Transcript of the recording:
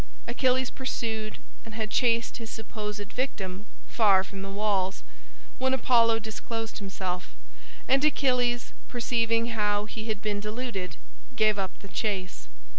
Achilles pursued and had chased his supposed victim far from the walls, when Apollo disclosed himself, and Achilles, perceiving how he had been deluded, gave up the chase.